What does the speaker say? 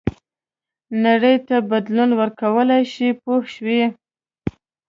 نړۍ ته بدلون ورکولای شي پوه شوې!.